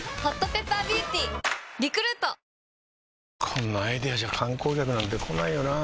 こんなアイデアじゃ観光客なんて来ないよなあ